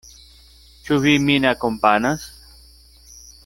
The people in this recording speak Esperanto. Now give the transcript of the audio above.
Ĉu vi min akompanas?